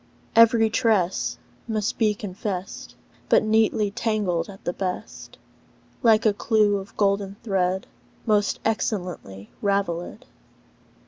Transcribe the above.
Every tress must be confessed; But neatly tangled at the best; Like a clew of golden thread Most excellently ravelled.